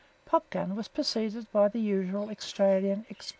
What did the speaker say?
"Popgun" was preceded by the usual Australian expletive.